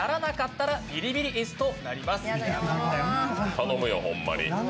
頼むよ、ホンマに。